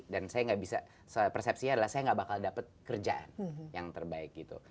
dan saya gak bisa persepsinya adalah saya gak bakal dapat kerjaan yang terbaik gitu